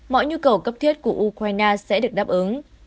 mọi nhu cầu cấp thiết của ukraine sẽ được đáp ứng